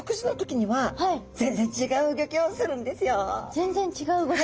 全然違う動き。